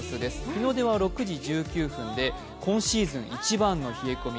日の出は６時１９分で今シーズン一番の冷え込み。